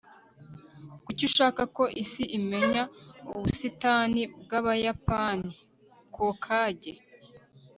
kuki ushaka ko isi imenya ubusitani bwabayapani? (kokage